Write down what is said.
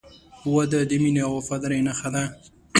• واده د مینې او وفادارۍ نښه ده.